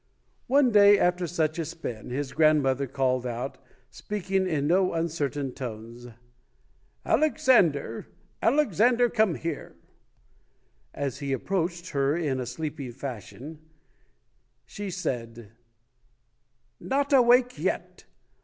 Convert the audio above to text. One day after such a spin, his grandmother called out, speaking in no uncertain tones, "Alex 106 ] UNSUNG HEROES ander, Alexander, come here!" As he approached her in a sleepy fashion, she said, "Not awake yet!